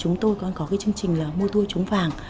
chúng tôi còn có cái chương trình là mua tour trúng vàng